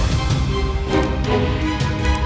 dan mengerahkan pasukan terbang